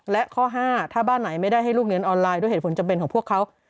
และข้อ๕ถ้าบ้านไหนไม่ได้ให้ลูกเรียนออนไลน์ด้วยเหตุผลจำเป็นของพวกเขา